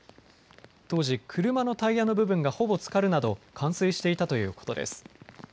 当時、車のタイヤの部分がほぼつかるなど冠水していたということです。